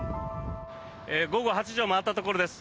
午後８時を回ったところです。